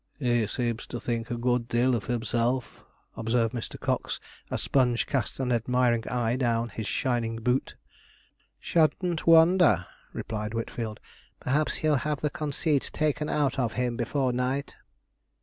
'He seems to think a good deal of himself!' observed Mr. Cox, as Sponge cast an admiring eye down his shining boot. 'Shouldn't wonder,' replied Whitfield; 'perhaps he'll have the conceit taken out of him before night.'